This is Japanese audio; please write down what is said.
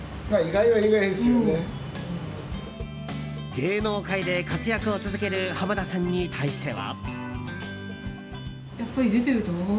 芸能界で活躍を続ける濱田さんに対しては。